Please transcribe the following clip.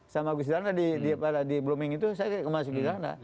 sama gus tirana di blooming itu saya masuk ke bluming